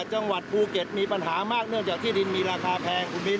จังหวัดภูเก็ตมีปัญหามากเนื่องจากที่ดินมีราคาแพงคุณมิ้น